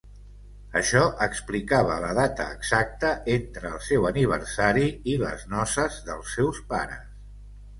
Això explicava la data exacta entre el seu aniversari i les noces dels seus pares.